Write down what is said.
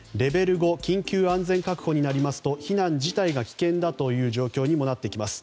５緊急安全確保になりますと避難自体が危険だという状況にもなってきます。